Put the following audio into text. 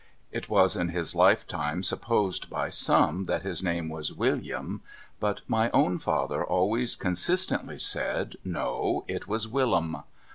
It was in his Ufetime supposed by some that his name was WilUam, but my own father ahvays consistently said, No, it was ^^■illum.